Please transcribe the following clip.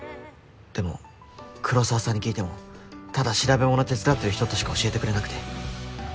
でも黒澤さんに聞いてもただ調べ物手伝ってる人としか教えてくれなくて。